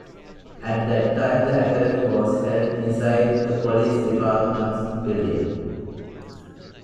At that time the academy was held inside the police department's building.